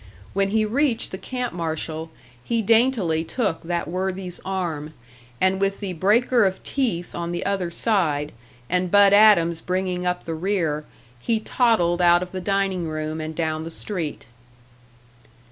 When he reached the camp marshal, he daintily took that worthy's arm, and with the "breaker of teeth" on the other side, and Bud Adams bringing up the rear, he toddled out of the dining room and down the street.